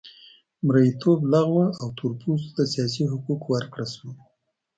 مریتوب لغوه او تور پوستو ته سیاسي حقوق ورکړل شول.